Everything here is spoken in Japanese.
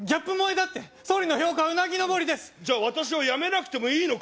だって総理の評価はうなぎ登りですじゃあ私は辞めなくてもいいのか？